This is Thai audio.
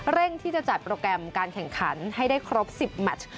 ที่จะจัดโปรแกรมการแข่งขันให้ได้ครบ๑๐แมช